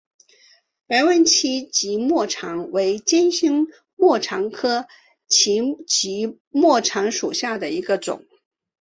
白纹歧脊沫蝉为尖胸沫蝉科歧脊沫蝉属下的一个种。